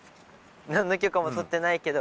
何の許可も取ってないけど。